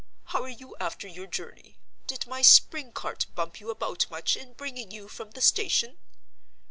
How are you after your journey? Did my spring cart bump you about much in bringing you from the station?